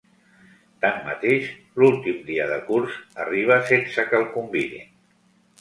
Tanmateix, l'últim dia de curs arriba sense que el convidin.